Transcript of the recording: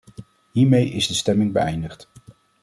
Hiermee is de stemming is beëindigd.